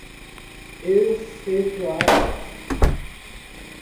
Excetuadas